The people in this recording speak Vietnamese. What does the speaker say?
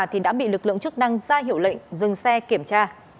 thì đã bị lực lượng chức năng ra hiệu lệnh dừng xe kiểm tra